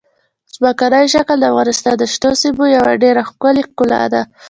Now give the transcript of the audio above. ځمکنی شکل د افغانستان د شنو سیمو یوه ډېره ښکلې ښکلا ده.